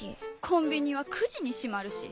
コンビニは９時に閉まるし。